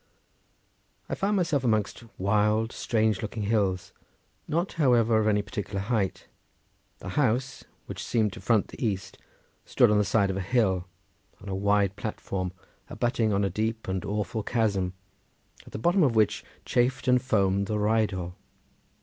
I found myself amongst wild, strange looking hills, not, however, of any particular height. The house, which seemed to front the east, stood on the side of a hill on a wide platform abutting on a deep and awful chasm, at the bottom of which chafed and foamed the Rheidol.